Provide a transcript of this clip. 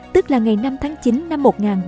tức là ngày năm tháng chín năm một nghìn ba trăm linh